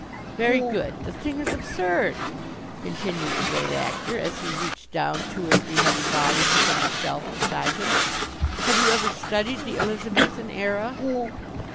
"Very good. The thing is absurd," continued the Great Actor, as he reached down two or three heavy volumes from the shelf beside him. "Have you ever studied the Elizabethan era?"